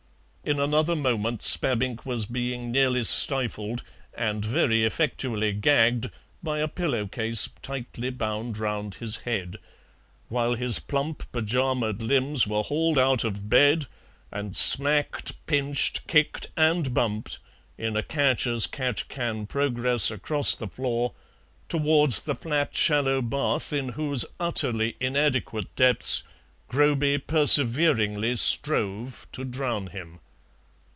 In another moment Spabbink was being nearly stifled and very effectually gagged by a pillow case tightly bound round his head, while his plump pyjama'd limbs were hauled out of bed and smacked, pinched, kicked, and bumped in a catch as catch can progress across the floor, towards the flat shallow bath in whose utterly inadequate depths Groby perseveringly strove to drown him.